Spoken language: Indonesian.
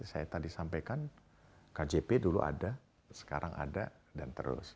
saya tadi sampaikan kjp dulu ada sekarang ada dan terus